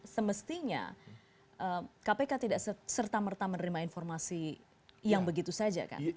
semestinya kpk tidak serta merta menerima informasi yang begitu saja kan